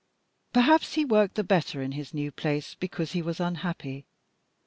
Perhaps he worked the better in his new place because he was unhappy.